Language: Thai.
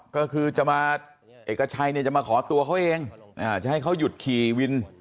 ก็คือจะมาเอกชัยเนี่ยจะมาขอตัวเขาเองจะให้เขาหยุดขี่วิน